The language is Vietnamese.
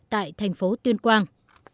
tại thành phố tuyên quang